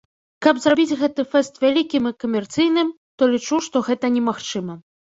Каб зрабіць гэты фэст вялікім і камерцыйным, то лічу, што гэта немагчыма.